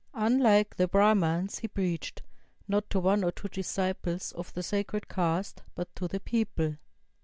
Unlike the Brahmans, he preached, not to one or two disciples of the sacred caste, but to the people.